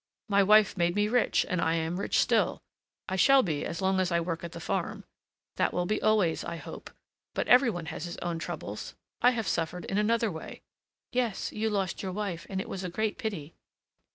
My wife made me rich, and I am rich still; I shall be as long as I work at the farm: that will be always, I hope; but every one has his own troubles! I have suffered in another way." "Yes, you lost your wife, and it was a great pity!"